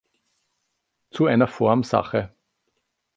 Zu einer Formsache.